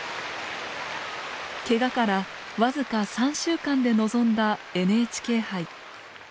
けがから僅か３週間で臨んだＮＨＫ杯。